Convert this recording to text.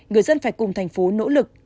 người dân phải cùng thành phố nỗ lực